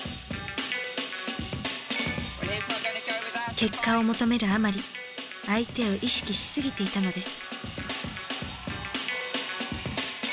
結果を求めるあまり相手を意識しすぎていたのです。